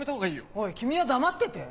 おい君は黙ってて。